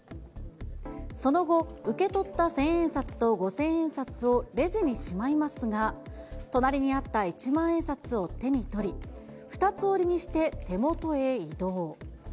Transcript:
その後、受け取った千円札と五千円札をレジにしまいますが、隣にあった一万円札を手に取り、２つ折りにして手元へ移動。